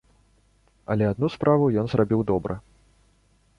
Але адну справу ён зрабіў добра.